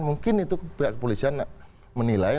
mungkin itu pihak kepolisian menilai